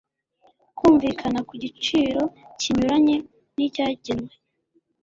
kumvikana ku giciro kinyuranye n'icyagenwe